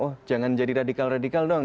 oh jangan jadi radikal radikal dong